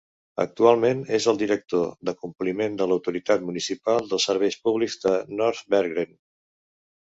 Actualment és el director de compliment de l'autoritat municipal de serveis públics de North Bergen.